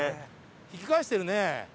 引き返してるね。